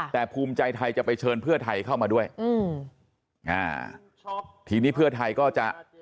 แต่ภูมิใจไทยจะไปเชิญเพื่อไทยเข้ามาด้วยอืมอ่าทีนี้เพื่อไทยก็จะ